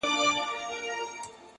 o زما ونه له تا غواړي راته ـ